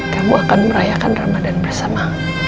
kamu akan merayakan ramadan bersama